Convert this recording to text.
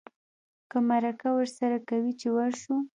که مرکه ورسره کوې چې ورشو.